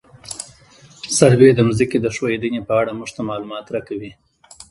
سروې د ځمکې د ښوېدنې په اړه موږ ته معلومات راکوي